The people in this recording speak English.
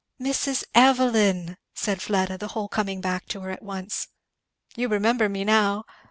"Mrs. Evelyn!" said Fleda, the whole coming back to her at once. "You remember me now?